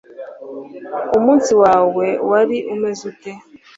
umunsi wawe wari umeze ute?